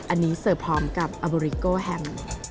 อันนี้เสิร์ฟพร้อมกับอโบริโก้แฮม